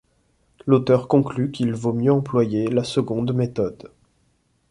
L'auteur conclut qu'il vaut mieux employer la seconde méthode.